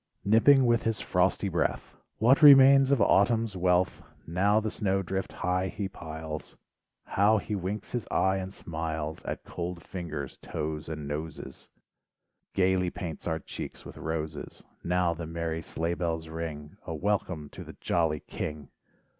Nipping with his frosty breath LIFE WAVES 39 What remains of Autumn's wealth; Now the snow drift high he piles, How he winks his eye and smiles At cold fingers, toes and noses, Gaily paints our cheeks with roses, Now the merry sleigh bells ring, A welcome to the jolly "king."